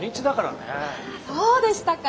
そうでしたか。